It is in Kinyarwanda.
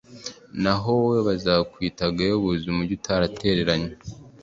naho wowe bazakwite ’agahebuzo’, ’umugi utaratereranywe’.»